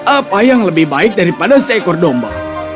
apa yang lebih baik daripada seekor domba